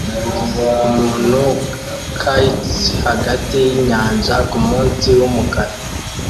Umuntu kayaks hagati yinyanja kumunsi wumukara